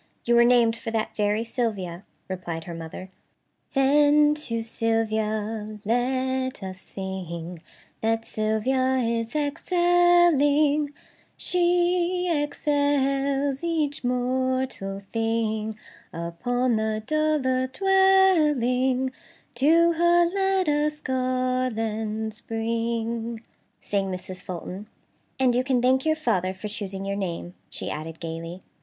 You were named for that very Sylvia," replied her mother. "'Then to Sylvia let us sing, That Sylvia is excelling; She excels each mortal thing Upon the dull earth dwelling; To her let us garlands bring'" sang Mrs. Fulton; "and you can thank your father for choosing your name," she added gaily.